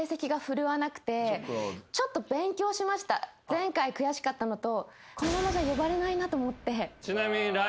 前回悔しかったのと。